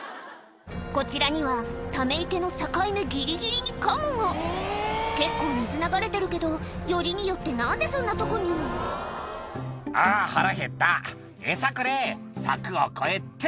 こちらにはため池の境目ギリギリにカモが結構水流れてるけどよりによって何でそんなとこに「あ腹へったエサくれ柵を越えてっと」